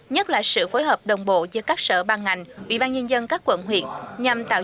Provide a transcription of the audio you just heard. nhất là sự phối hợp đồng bộ giữa các sở ban ngành ủy ban nhân dân các quận huyện nhằm tạo